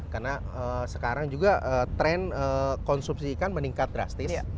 karena sekarang juga tren konsumsi ikan meningkat drastis